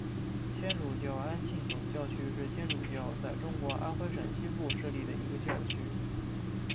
天主教安庆总教区是天主教在中国安徽省西部设立的一个教区。